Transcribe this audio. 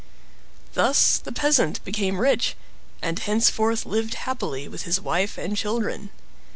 Thus the peasant became rich, and henceforth lived happily with his wife and children.